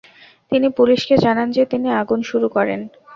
তিনি পুলিশকে জানান যে তিনি আগুন শুরু করেন।